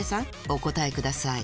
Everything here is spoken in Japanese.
お答えください